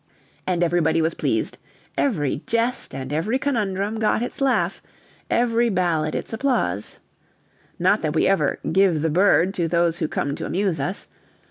And everybody was pleased: every jest and every conundrum got its laugh, every ballad its applause. Not that we ever "give the bird" to those who come to amuse us.